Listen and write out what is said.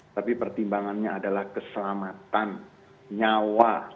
tapi pertimbangannya adalah keselamatan nyawa